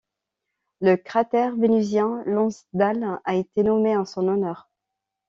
Le cratère vénusien Lonsdale a été nommé en son honneur.